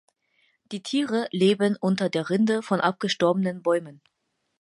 Die Tiere leben unter der Rinde von abgestorbenen Bäumen.